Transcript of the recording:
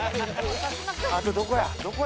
あとどこや？